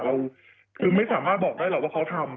เราคือไม่สามารถบอกได้หรอกว่าเขาทำ